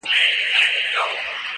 فیض پۀ ځواب کې ورته ویلې وو